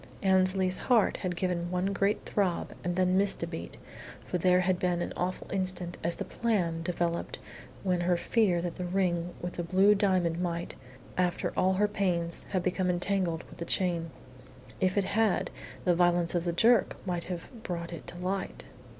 Annesley's heart had given one great throb and then missed a beat, for there had been an awful instant as the "plan" developed when she feared that the ring with the blue diamond might, after all her pains, have become entangled with the chain. If it had, the violence of the jerk might have brought it to light.